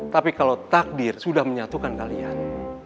tapi kalau takdir sudah menyatukan kalian